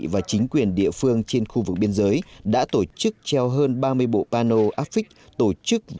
và chính quyền địa phương trên khu vực biên giới đã tổ chức treo hơn ba mươi bộ pano áp vích tổ chức